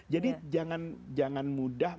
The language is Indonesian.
jadi jangan mudah